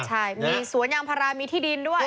ใช่มีสวนยางพารามีที่ดินด้วย